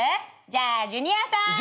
じゃあジュニアさん。